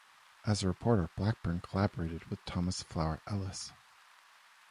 As a reporter Blackburn collaborated with Thomas Flower Ellis.